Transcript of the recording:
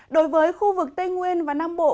đối với khu vực tây nguyên và nam bộ